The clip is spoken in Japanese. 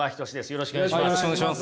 よろしくお願いします。